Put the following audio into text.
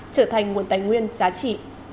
trở thành nguồn tài nguyên giá trị